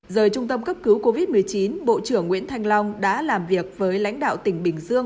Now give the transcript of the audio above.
rời trung tâm cấp cứu covid một mươi chín bộ trưởng nguyễn thanh long đã làm việc với lãnh đạo tỉnh bình dương